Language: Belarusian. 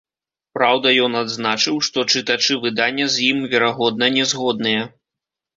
Праўда, ён адзначыў, што чытачы выдання з ім, верагодна, не згодныя.